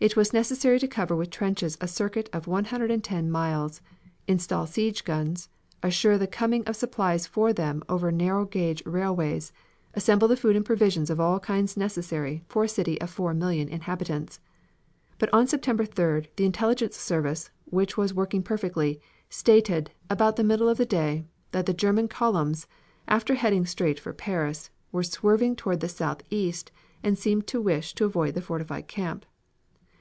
It was necessary to cover with trenches a circuit of 110 miles, install siege guns, assure the coming of supplies for them over narrow gauge railways, assemble the food and provisions of all kinds necessary for a city of 4,000,000 inhabitants. "But on September 3d, the intelligence service, which was working perfectly, stated, about the middle of the day, that the German columns, after heading straight for Paris, were swerving toward the southeast and seemed to wish to avoid the fortified camp.